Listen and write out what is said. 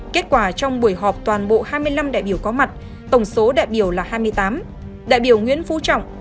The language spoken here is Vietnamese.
kết quả trong buổi họp toàn bộ hai mươi năm đại biểu có mặt tổng số đại biểu là hai mươi tám đại biểu nguyễn phú trọng